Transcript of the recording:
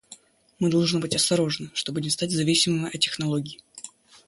Мы должны быть осторожны, чтобы не стать зависимыми от технологий.